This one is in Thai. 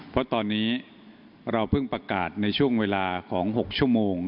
เพราะตอนนี้เราเพิ่งประกาศในช่วงเวลาของ๖ชั่วโมง